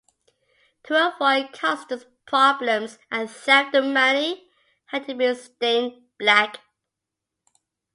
To avoid customs problems and theft the money had to be stained black.